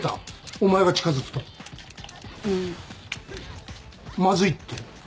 お前が近づくとうん「まずい」って？